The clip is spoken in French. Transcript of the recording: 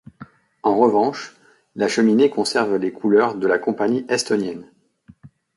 En revanche, la cheminée conserve les couleurs de la compagnie estonienne.